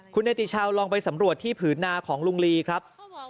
คุณเนติชาวลองไปสำรวจที่ผืนนาของลุงลีครับ